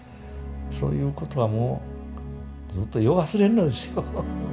そういうことはもうずっとよう忘れんのですよ。